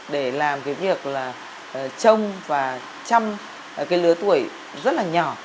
để làm việc trông và chăm lứa tuổi rất nhỏ